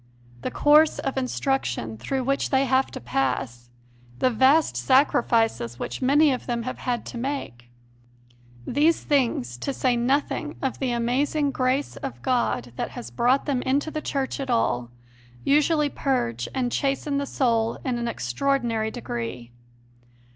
The course of instruction through which they have to pass, the vast sacrifices which many of them have had to make these things, to say nothing of the amazing Grace of God that has CONFESSIONS OF A CONVERT 147 brought them into the Church at all, usually purge and chasten the soul in an extraordinary degree.